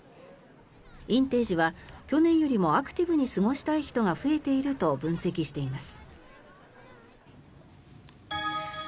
インテージは去年よりもアクティブに過ごしたい人が増えていると分析しています。